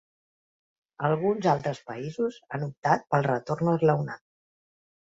Alguns altres països han optat pel retorn esglaonat.